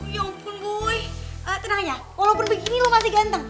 ya ampun gue tenang ya walaupun begini lo masih ganteng